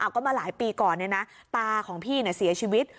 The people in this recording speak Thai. ก็มาหลายปีก่อนเนี่ยนะตาของพี่เนี่ยเสียชีวิต